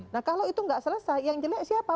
nah kalau itu nggak selesai yang jelek siapa